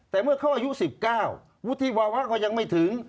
แต่เมื่อเขาอายุ๑๙วุฒิภาวะก็ยังไม่ถึง